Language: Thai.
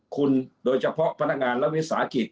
คุณโดยเฉพาะพนักงานรัฐวิทย์ศาสตร์กิจ